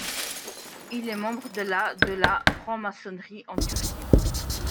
Il est membre de la de la franc-maçonnerie en Turquie.